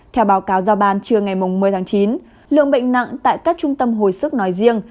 theo báo cáo giao ban trưa ngày một mươi tháng chín lượng bệnh nặng tại các trung tâm hồi sức nói riêng